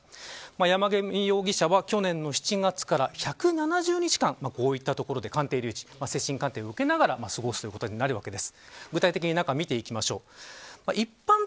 山上容疑者は去年の７月から１７０日間こういった所で鑑定留置精神鑑定を受けながら過ごすことになるわけです。